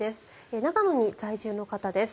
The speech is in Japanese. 長野に在住の方です。